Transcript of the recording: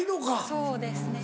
そうですね。